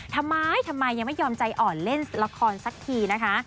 ทำไมทำไมยังไม่ยอมใจอ่อนเล่นละครสักทีนะคะ